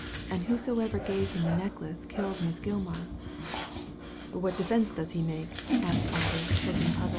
And whosoever gave him the necklace killed Miss Gilmar." "What defence does he make?" asked Alder, looking puzzled.